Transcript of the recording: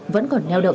vẫn còn nheo đầu